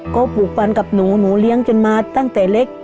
ก็ปลูกฟันกับหนูหนูเลี้ยงจนมาตั้งแต่เล็ก